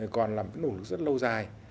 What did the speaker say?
còn là một nỗ lực rất lâu dài